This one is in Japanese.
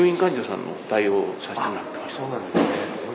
あっそうなんですね。